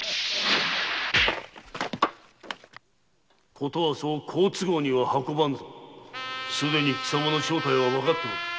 ・ことはそう好都合には運ばぬぞ。すでに貴様の正体はわかっておる。